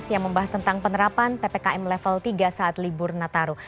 yang membahas tentang penerapan ppkm level tiga saat libur nataru